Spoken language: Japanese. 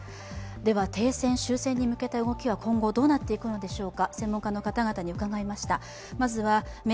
では停戦、終戦に向けた動きは今後、どうなっていくのでしょうか。